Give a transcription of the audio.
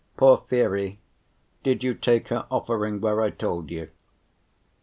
"Porfiry, did you take her offering where I told you?"